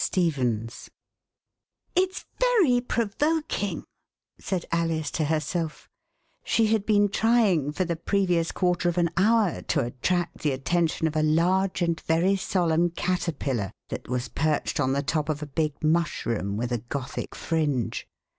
STEPHEN'S * It's very provoking," said Alice to herself; she had been trying for the previous quarter of an hour to attract the attention of a large and very solemn caterpillar that was perched on the top of a big mushroom with a Gothic fringe.